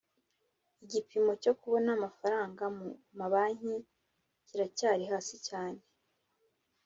Igipimo cyo kubona amafaranga mu mabanki kiracyari hasi cyane